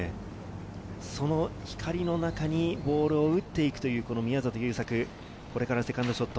その光の中にボールを打っていくという宮里優作、これからセカンドショット。